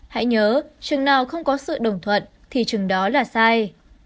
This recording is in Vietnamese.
hãy nhớ chừng nào không có sự đồng thuận thì chừng đó là sai